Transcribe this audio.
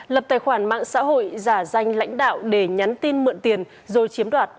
lập tài khoản mạng xã hội giả danh lãnh đạo để nhắn tin mượn tiền rồi chiếm đoạt